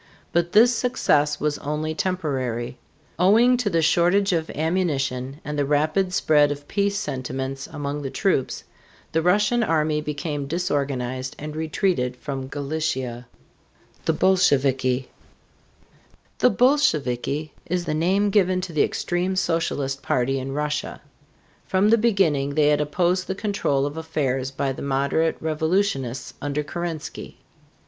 But this success was only temporary. Owing to the shortage of ammunition and the rapid spread of peace sentiments among the troops, the Russian army became disorganized and retreated from Galicia. THE BOLSHEVIKI. Bolsheviki (bōl shĕv´e kee) is the name given to the extreme socialistic party in Russia. From the beginning they had opposed the control of affairs by the moderate revolutionists under Kerensky.